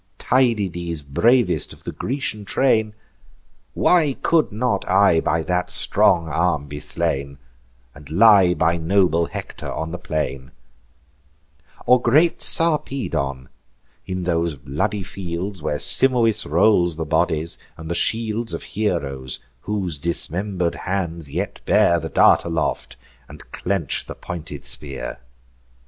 Tydides, bravest of the Grecian train! Why could not I by that strong arm be slain, And lie by noble Hector on the plain, Or great Sarpedon, in those bloody fields Where Simois rolls the bodies and the shields Of heroes, whose dismember'd hands yet bear The dart aloft, and clench the pointed spear!"